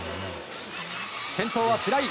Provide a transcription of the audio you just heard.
先頭は白井。